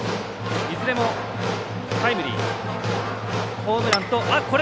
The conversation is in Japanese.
いずれもタイムリー。